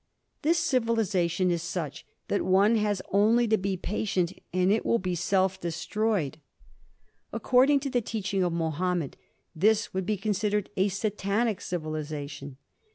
This civilization is such that one has only to be patient and it will be self destroyed. According to the teaching of Mahomed this would be considered a Satanic civilization.